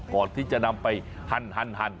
ก่อนที่จะนำไปหั่นหั่นหั่น